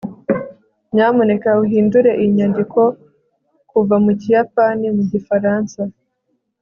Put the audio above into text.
nyamuneka uhindure iyi nyandiko kuva mu kiyapani mu gifaransa